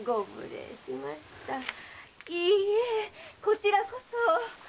いいえこちらこそ。